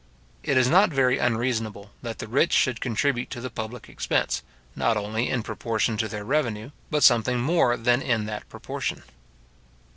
It is not very unreasonable that the rich should contribute to the public expense, not only in proportion to their revenue, but something more than in that proportion.